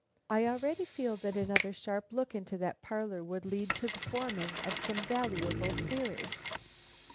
I already feel that another sharp look into that parlor would lead to the forming of some valuable theory."